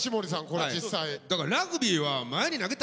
これ実際。